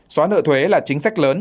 xóa nợ thuế là chính sách lớn